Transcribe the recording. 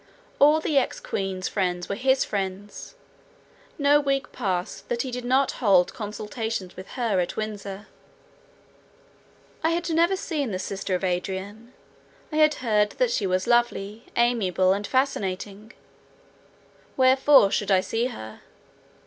All the ex queen's friends were his friends; no week passed that he did not hold consultations with her at Windsor. I had never seen the sister of Adrian. I had heard that she was lovely, amiable, and fascinating. Wherefore should I see her?